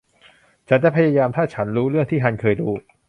ฉันจะพยายามถ้าฉันรู้เรื่องที่ฮันเคยรู้